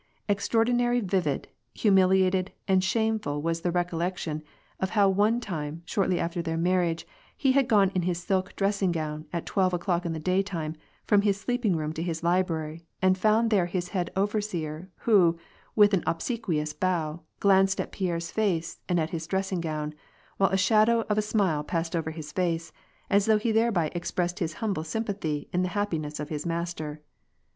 Extraordinary vivid, humiliating, and shameful was the recollection of how one time, shortly after their marriage, he had gone in his silk dressing gown, at twelve o'clock in the daytime, from his sleeping room to his library, and found there his head overseer, who, with an obsequious bow, glanced at Pierre's face and at his dressing gown, while a shadow of a smile passed over his face, as though he thereby expressed his humble sympathy in the happiness of his master.